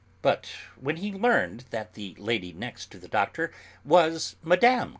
But when he learned that the lady next to the Doctor was Mme.